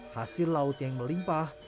hasil laut yang melimpahkan